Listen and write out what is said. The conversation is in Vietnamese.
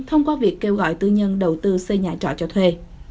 thông qua việc kêu gọi tư nhân đầu tư xây nhà trọ cho thuê